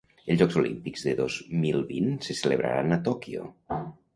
Els jocs olímpics de dos mil vint se celebraran a Tòquio.